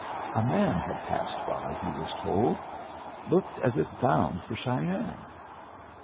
A man had passed by, he was told. Looked as if bound for Cheyenne.